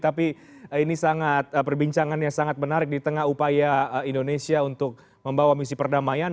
tapi ini sangat perbincangan yang sangat menarik di tengah upaya indonesia untuk membawa misi perdamaian